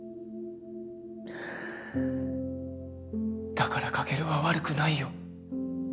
だから翔琉は悪くないよ。